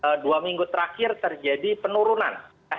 dalam dua minggu terakhir terjadi penurunan